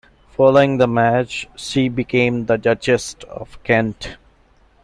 Following the marriage she became the Duchess of Kent.